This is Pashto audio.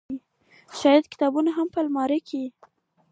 شايد کتابونه هم په المارۍ کې